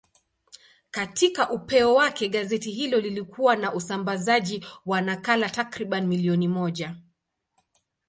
Katika upeo wake, gazeti hilo lilikuwa na usambazaji wa nakala takriban milioni moja.